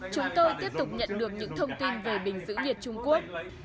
chúng tôi tiếp tục nhận được những thông tin về bình giữ nhiệt trung quốc